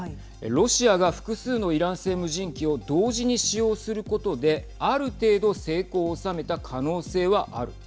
ロシアが複数のイラン製無人機を同時に使用することである程度成功を収めた可能性はある。